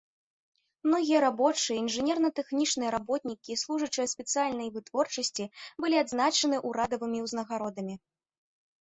Многія рабочыя, інжынерна-тэхнічныя работнікі і служачыя спецыяльнага вытворчасці былі адзначаны ўрадавымі ўзнагародамі.